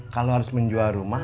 kalau harus menjual rumah